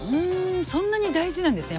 そんなに大事なんですね